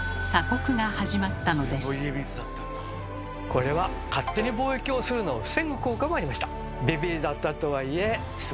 これは勝手に貿易するのを防ぐ効果もありました。